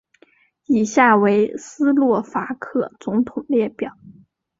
以下为斯洛伐克总统列表。